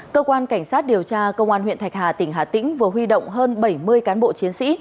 cơ quan cảnh sát điều tra công an huyện thạch hà tỉnh hà tĩnh vừa huy động hơn bảy mươi cán bộ chiến sĩ